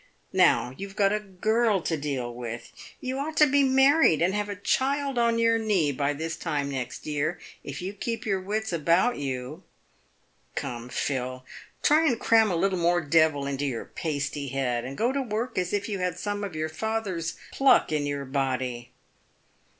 Now, you've got a girl to deal with. You * Passing counterfeit, money. 358 PAYED WITH GOLD. ought to be married and have a child on your knee by this time next year, if you keep your wits about you. Come, Phil, try and cram a little more devil into your pasty head, and go to work as if you had some of your father's pluck in your body."